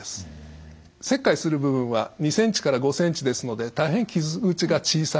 切開する部分は２ｃｍから５ｃｍですので大変傷口が小さい。